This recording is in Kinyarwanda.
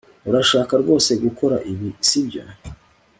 Urashaka rwose gukora ibi sibyo